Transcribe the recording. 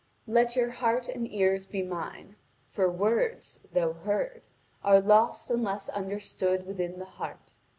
Let your heart and ears be mine. For words, though heard, are lost unless understood within the heart.